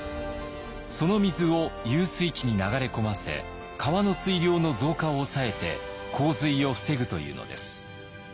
その水を遊水池に流れ込ませ川の水量の増加を抑えて洪水を防ぐというのです。